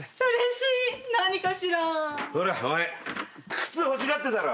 靴欲しがってたろ？